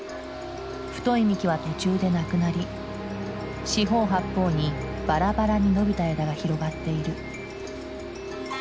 太い幹は途中でなくなり四方八方にバラバラに伸びた枝が広がっている。